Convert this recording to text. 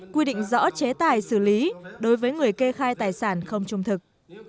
quy định rõ chế tài xử lý đối với người kê khai tài sản không trung thực